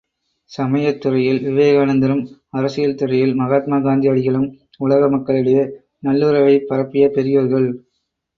சமயத் துறையில் விவேகானந்தரும், அரசியல் துறையில் மகாத்மா காந்தி அடிகளும் உலக மக்களிடையே நல்லுறவைப் பரப்பிய பெரியோர்கள்.